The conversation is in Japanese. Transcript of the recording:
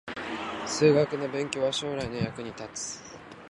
数学の勉強は将来の役に立つ